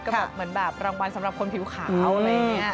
ก็บอกเหมือนแบบรางวัลสำหรับคนผิวขาวอะไรอย่างนี้